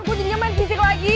gue jadinya main fisik lagi